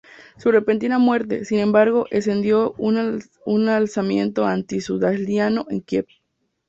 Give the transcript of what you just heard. Su repentina muerte, sin embargo, encendió un alzamiento anti-suzdaliano en Kiev.